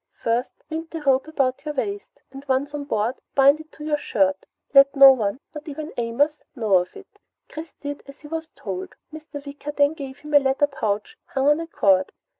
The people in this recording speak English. "First, wind the rope about your waist, and once on board, bind it under your shirt. Let no one, not even Amos, know of it." Chris did as he was told. Mr. Wicker then gave him a leather pouch hung on a cord.